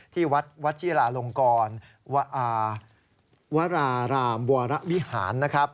ที่วัดวัดจิราลงกรวรารามวรวิหาร